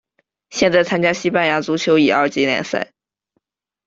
现在参加西班牙足球乙二级联赛。